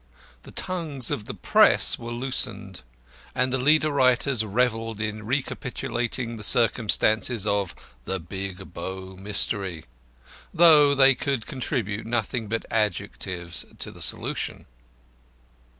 The tongues of the Press were loosened, and the leader writers revelled in recapitulating the circumstances of "The Big Bow Mystery," though they could contribute nothing but adjectives to the solution.